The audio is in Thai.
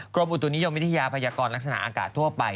กรมอุตุนิยมวิทยาพยากรลักษณะอากาศทั่วไป